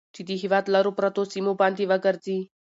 چې د هېواد لرو پرتو سيمو باندې وګرځي.